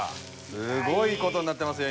すごい事になってますよ